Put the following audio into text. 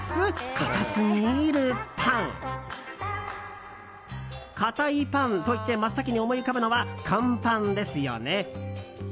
かたいパンといって真っ先に思い浮かぶのは乾パンですよね。